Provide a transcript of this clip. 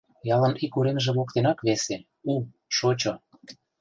Ялын ик уремже воктенак весе, у, шочо.